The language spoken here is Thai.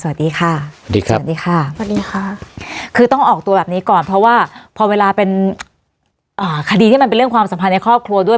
สวัสดีค่ะคือต้องออกตัวแบบนี้ก่อนเพราะว่าพอเวลาเป็นคดีที่มันเป็นเรื่องความสัมพันธ์ในครอบครัวด้วย